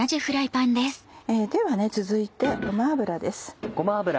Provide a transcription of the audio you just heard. では続いてごま油です。